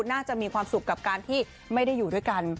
น่าจะมีความสุขกับการที่ไม่ได้อยู่ด้วยกัน